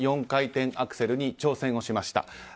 ４回転アクセルに挑戦しました。